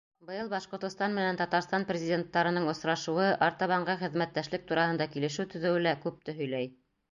Быйыл Башҡортостан менән Татарстан президенттарының осрашыуы, артабанғы хеҙмәттәшлек тураһында килешеү төҙөүе лә күпте һөйләй.